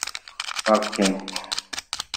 Beṛka-k.